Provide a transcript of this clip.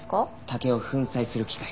竹を粉砕する機械。